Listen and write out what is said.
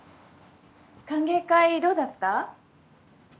歓迎会どうだった？